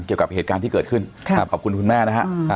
เกี่ยวกับเหตุการณ์ที่เกิดขึ้นขอบคุณคุณแม่นะฮะ